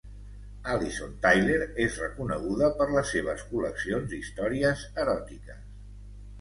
Alison Tyler és reconeguda per les seves col·leccions d'històries eròtiques